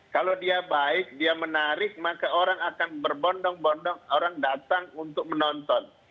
kalau dia baik dia menarik maka orang akan berbondong bondong orang datang untuk menonton